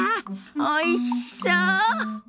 おいしそう！